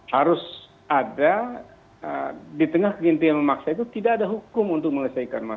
harus ada di tengah kegentilan memaksa itu tidak ada hukum untuk mengeluarkan perpu